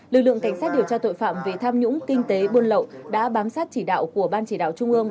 lực lượng cảnh sát điều tra tội phạm về tham nhũng kinh tế buôn lậu đã bám sát chỉ đạo của ban chỉ đạo trung ương